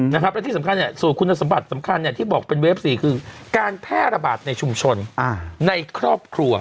และที่สำคัญสูตรคุณสมบัติสำคัญที่บอกเป็นเวฟ๔คือการแพร่ระบาดในชุมชนในครอบครัว